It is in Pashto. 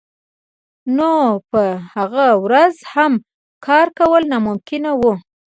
نو په هغه ورځ هم کار کول ناممکن وو